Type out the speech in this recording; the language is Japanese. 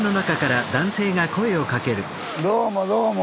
どうもどうも。